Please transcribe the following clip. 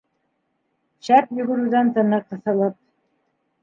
Шәп йүгереүҙән тыны ҡыҫылып: